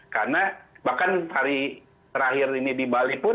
karena bahkan hari terakhir ini di bali pun